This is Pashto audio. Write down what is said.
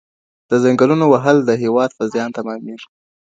د ځنګلونو وهل د هېواد په زیان تمامېږي.